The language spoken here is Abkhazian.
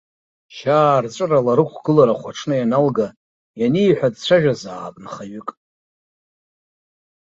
Шьаарҵәырала рықәгылара хәаҽны ианалга, ианиҳәа, дцәажәазаап нхаҩык.